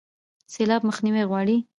سیلاب مخنیوی غواړي